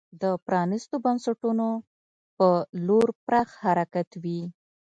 د پرانیستو بنسټونو په لور پراخ حرکت وي.